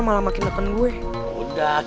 gua biar pada hari penghormatan